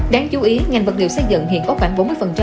đáng chú ý ngành vật liệu xây dựng hiện có khoảng